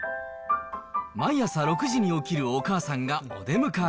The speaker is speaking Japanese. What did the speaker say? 毎朝６時に起きるお母さんがお出迎え。